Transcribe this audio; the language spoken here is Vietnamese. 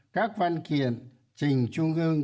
các văn kiện trình trung ương